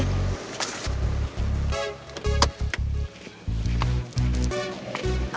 tinggal telfon dia aja